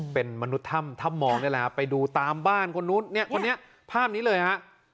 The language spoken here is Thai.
เป็นมนุษย์ถ้ำถ้ำมองนี่แหละฮะไปดูตามบ้านคนนู้นเนี่ยคนนี้ภาพนี้เลยฮะ